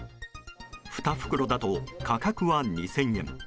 ２袋だと価格は２０００円。